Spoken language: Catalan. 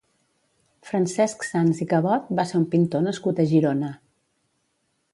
Francesc Sans i Cabot va ser un pintor nascut a Girona.